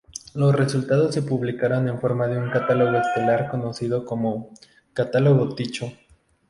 Los resultados se publicaron en forma de un catálogo estelar conocido como Catálogo Tycho.